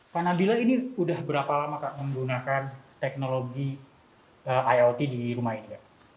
pak nabila ini udah berapa lama pak menggunakan teknologi iot di rumah ini